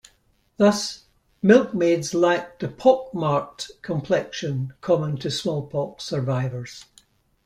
Thus, milkmaids lacked the "pockmarked" complexion common to smallpox survivors.